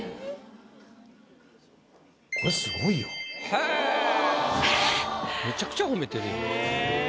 ⁉へえめちゃくちゃ褒めてるやん。